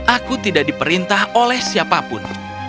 aku tidak diperintah oleh siapapun